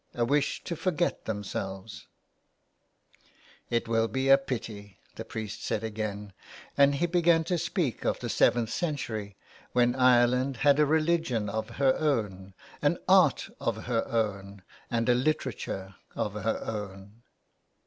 *' A wish to forget themselves." 227 A PLAY HOUSE IN THE WASTE. " It will be a pity," the priest said again, and he began to speak of the seventh century when Ireland had a religion of her own, an art of her own, and a literature of her own.